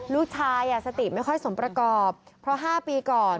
ลูกชายสติไม่ค่อยสมประกอบเพราะ๕ปีก่อน